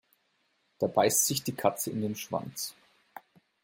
Da beißt sich die Katze in den Schwanz.